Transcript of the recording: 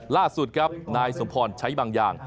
ล่าสุดครับนายสมพรใช้บางอย่าง